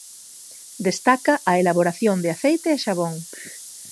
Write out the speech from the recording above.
Destaca a elaboración de aceite e xabón.